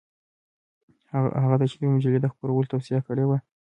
هغه ته یې د یوې مجلې د خپرولو توصیه کړې وه.